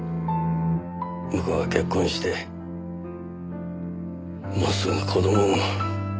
向こうは結婚してもうすぐ子供も。